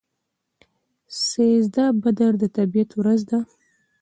سیزده بدر د طبیعت ورځ ده.